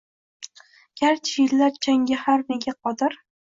— Garchi yillar changi har nega qodir